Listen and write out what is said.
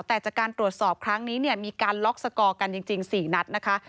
แต่จากการตรวจสอบครั้งนี้เนี่ยมีการล็อกสกอร์กันจริง๔นัดนะคะ